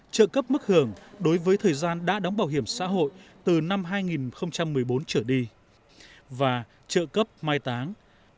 trợ cấp mức hưởng đối với thời gian đã đóng bảo hiểm xã hội từ năm hai nghìn một mươi bốn trở đi và trợ cấp mai táng